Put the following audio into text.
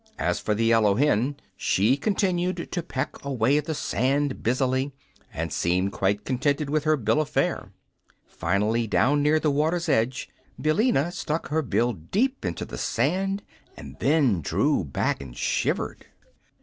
As for the yellow hen, she continued to peck away at the sand busily, and seemed quite contented with her bill of fare. Finally, down near the water's edge, Billina stuck her bill deep into the sand, and then drew back and shivered.